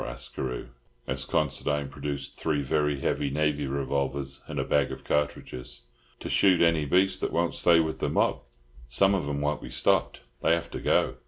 asked Carew, as Considine produced three very heavy navy revolvers and a bag of cartridges. "To shoot any beast that won't stay with the mob. Some of 'em won't be stopped. They have to go.